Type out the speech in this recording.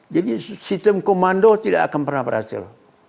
jadi sistem komando tidak akan pernah berhasil